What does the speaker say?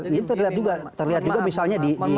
ini terlihat juga misalnya di